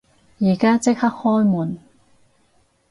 而家即刻開門！